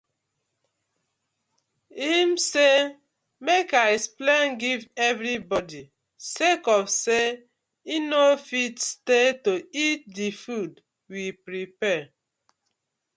Im say mek I explain giv everi bodi sake of say im no fit stay to eat the food we prapare.